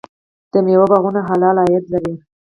د میوو باغونه حلال عاید لري.